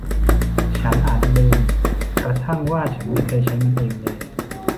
ฉันอาจลืมกระทั่งว่าฉันไม่เคยใช้มันเองเลย